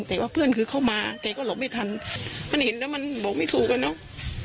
แต่ว่าเพื่อนคือเข้ามาแกก็หลบไม่ทันมันเห็นแล้วมันบอกไม่ถูกอะเนาะ